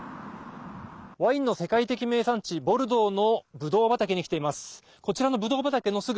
ワインの世界的名産地ボルドーのぶどう畑に来ています。